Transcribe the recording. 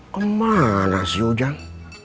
kemana sih ujang